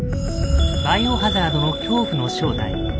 「バイオハザード」の恐怖の正体。